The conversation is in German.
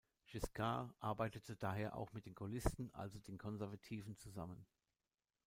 Giscard arbeitete daher auch mit den Gaullisten, also den Konservativen, zusammen.